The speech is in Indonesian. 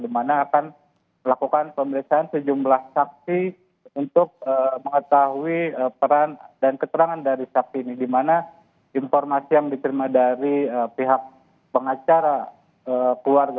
di mana akan melakukan pemeriksaan sejumlah saksi untuk mengetahui peran dan keterangan dari saksi ini di mana informasi yang diterima dari pihak pengacara keluarga